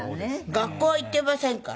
学校は行っていませんから。